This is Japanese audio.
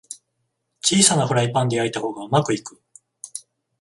小さなフライパンで焼いた方がうまくいく